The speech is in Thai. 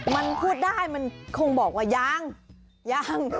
มันพูดได้มันคงบอกว่ายังยัง